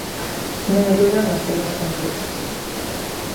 Non eludan os temas concretos.